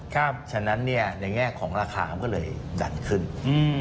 เพราะฉะนั้นเนี่ยในแง่ของราคามันก็เลยดันขึ้นอืม